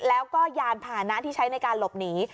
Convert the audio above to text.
แล้วก็ยานผ่านะที่ใช้ในการหลบหนี